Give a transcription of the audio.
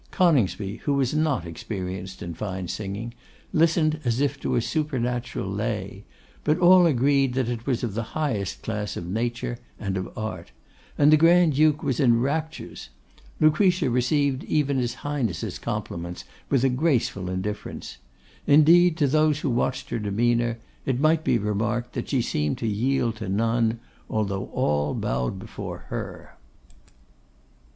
Coningsby, who was not experienced in fine singing, listened as if to a supernatural lay, but all agreed it was of the highest class of nature and of art; and the Grand duke was in raptures. Lucretia received even his Highness' compliments with a graceful indifference. Indeed, to those who watched her demeanour, it might be remarked that she seemed to yield to none, although all bowed before her.